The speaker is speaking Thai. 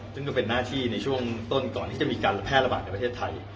ซึ่งก็เป็นหน้าที่ในช่วงต้นก่อนที่จะมีการแพร่ระบาดในประเทศไทย